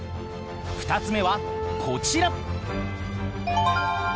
２つ目はこちら！